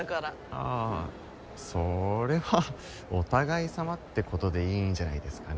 ああそれはお互いさまってことでいいんじゃないですかね。